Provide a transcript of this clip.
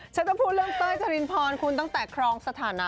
ฉันต้องพูดเรื่องเต้ยจรินพรคุณตั้งแต่ครองสถานะ